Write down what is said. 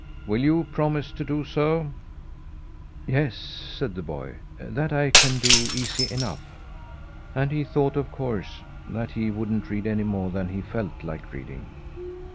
Will you promise to do so?" "Yes," said the boy, "that I can do easy enough." And he thought, of course, that he wouldn't read any more than he felt like reading.